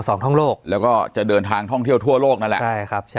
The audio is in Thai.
สวัสดีครับทุกผู้ชม